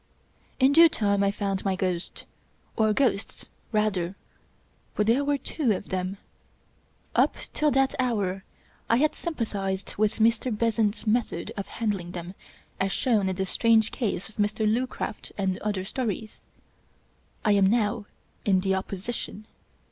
In due time I found my ghost, or ghosts rather, for there were two of them. Up till that hour I had sympathized with Mr. Besant's method of handling them, as shown in " The Strange Case of Mr. Lucraft and Other Stories." I am now in the Opposition.